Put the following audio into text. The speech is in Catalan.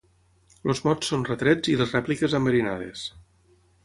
Els mots són retrets i les rèpliques enverinades.